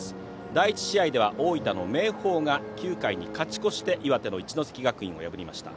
第１試合では大分の明豊が９回に勝ち越して岩手の一関学院を破りました。